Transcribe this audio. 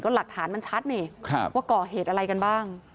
หลักฐานมันชัดนี่ว่าก่อเหตุอะไรกันบ้าง